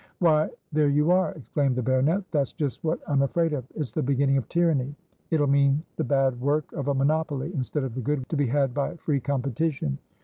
"Why, there you are!" exclaimed the baronet. "That's just what I'm afraid of. It's the beginning of tyranny. It'll mean the bad work of a monopoly, instead of the good to be had by free competition.